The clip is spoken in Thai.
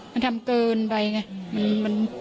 มันทำเกินไปไง